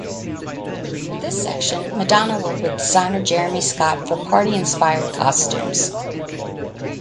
For this section, Madonna worked with designer Jeremy Scott for party inspired costumes.